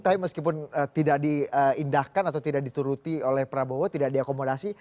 tapi meskipun tidak diindahkan atau tidak dituruti oleh prabowo tidak diakomodasi